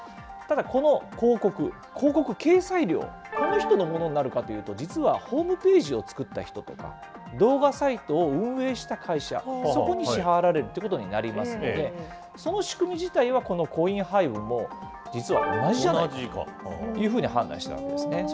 ただ、この広告、広告掲載料、どの人のものになるかというと、実はホームページを作った人とか、動画サイトを運営した会社、そこに支払われるということになりますので、その仕組み自体は、このコインハイブも実は同じじゃないかというふうに判断したわけですね。